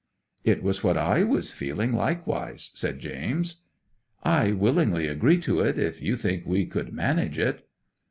'"It was what I was feeling likewise," said James. '"I willingly agree to it, if you think we could manage it."